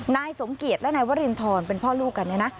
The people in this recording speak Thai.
นายสมเกียจและนายวรินทรเป็นพ่อลูกกันเนี่ยนะ